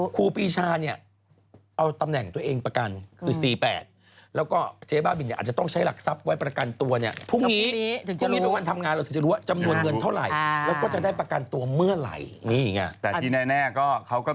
คูปีชาเนี่ยเอาตำแหน่งตัวเองประกันคือ๔๘